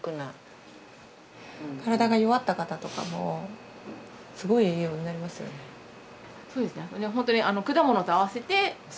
体が弱った方とかもすごい栄養になりますよね。